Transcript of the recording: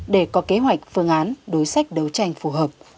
để có kế hoạch phương án đối sách đấu tranh phù hợp